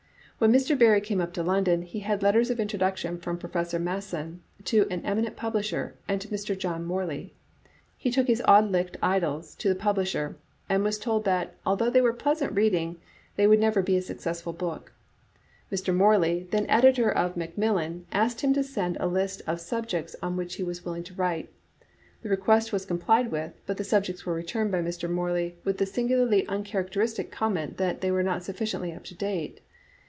When Mr. Barrie came up to London he had letters of introduction from Professor Masson to an eminent publisher, and to Mr. John Morley. He took his " Auld Licht Idylls" to the publisher, and was told that although they were pleasant reading, they would never be successful as a book. Mr. Morley, then editor of Macmillan^ asked him to send a list of subjects on which he was willing to write. The request was com plied with, but the subjects were returned by Mr. Mor ley with the singularly uncharacteristic comment that they were not sufficiently up to date.